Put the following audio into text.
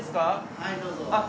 はいどうぞ。